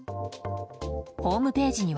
ホームページには。